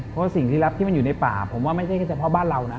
เพราะสิ่งที่รับที่มันอยู่ในป่าผมว่าไม่ใช่แค่เฉพาะบ้านเรานะ